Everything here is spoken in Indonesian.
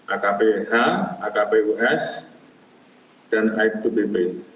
akph akpus dan itubs